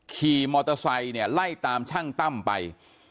ขี่มอเตอร์ไซค์เนี่ยไล่ตามช่างตั้มไป